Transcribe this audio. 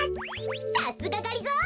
さすががりぞー！